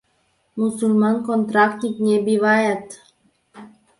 Мусульман контрактник не бивает!